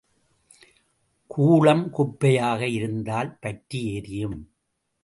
கூளம், குப்பையாக இருந்தால் பற்றி எரியும்!